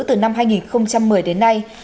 từ năm hai nghìn một mươi đến nay